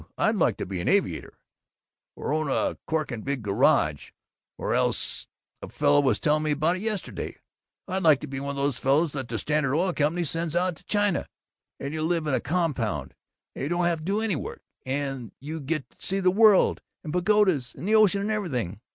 I'd like to be an aviator, or own a corking big garage, or else a fellow was telling me about it yesterday I'd like to be one of these fellows that the Standard Oil Company sends out to China, and you live in a compound and don't have to do any work, and you get to see the world and pagodas and the ocean and everything!